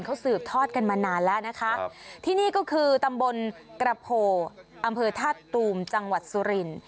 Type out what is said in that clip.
มานานแล้วนะคะที่นี่ก็คือตำบลกระโผอ๋อำเภอทัศน์ตูมจังหวัดสุริน